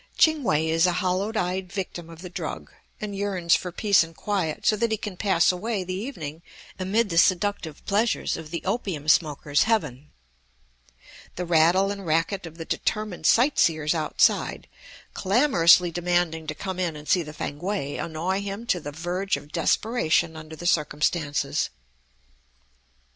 Ching We is a hollow eyed victim of the drug, and yearns for peace and quiet so that he can pass away the evening amid the seductive pleasures of the opium smoker's heaven. The rattle and racket of the determined sight seers outside, clamorously demanding to come in and see the Fankwae, annoy him to the verge of desperation under the circumstances.